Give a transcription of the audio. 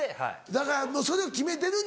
だからもうそれを決めてるんだ。